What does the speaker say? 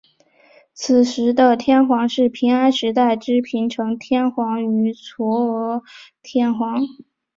此时的天皇是平安时代之平城天皇与嵯峨天皇。